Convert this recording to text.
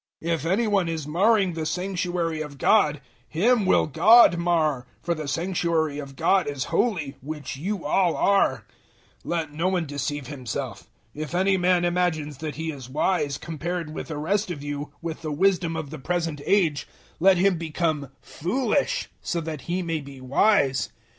003:017 If any one is marring the Sanctuary of God, him will God mar; for the Sanctuary of God is holy, which you all are. 003:018 Let no one deceive himself. If any man imagines that he is wise, compared with the rest of you, with the wisdom of the present age, let him become "foolish" so that he may be wise.